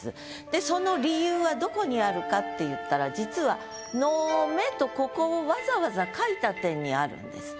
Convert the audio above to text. でその理由はどこにあるかっていったら実は「の目」とここをわざわざ書いた点にあるんです。